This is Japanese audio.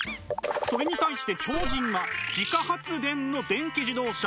それに対して超人は自家発電の電気自動車。